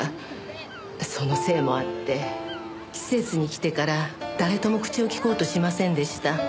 そのせいもあって施設に来てから誰とも口をきこうとしませんでした。